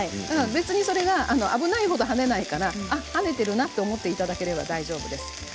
それが危ないほど跳ねないから跳ねているなと思っていただければ大丈夫です。